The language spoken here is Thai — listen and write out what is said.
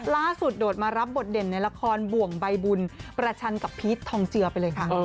โดดมารับบทเด่นในละครบ่วงใบบุญประชันกับพีชทองเจือไปเลยค่ะ